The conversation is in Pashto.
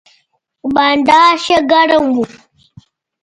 بانډار ښه ګرم و.